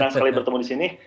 sekali bertemu disini